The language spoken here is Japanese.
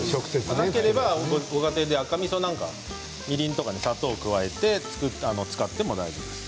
なければご家庭で赤みそなんかをみりんとか砂糖を加えて使っても大丈夫です。